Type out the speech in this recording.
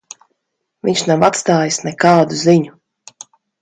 Viņš nav atstājis nekādu ziņu.